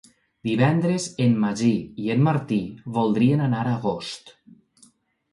Divendres en Magí i en Martí voldrien anar a Agost.